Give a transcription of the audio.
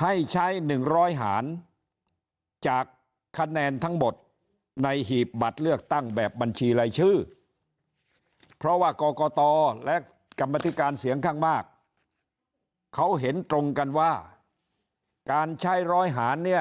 ให้ใช้๑๐๐หารจากคะแนนทั้งหมดในหีบบัตรเลือกตั้งแบบบัญชีรายชื่อเพราะว่ากรกตและกรรมธิการเสียงข้างมากเขาเห็นตรงกันว่าการใช้ร้อยหารเนี่ย